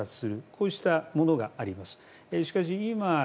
こうしたものがあります。